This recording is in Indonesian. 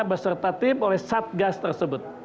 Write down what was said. beserta tim oleh satgas tersebut